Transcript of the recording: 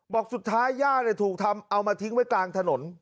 บอกสุดท้ายย่าถูกทำเอามาทิ้งไว้กลางถนน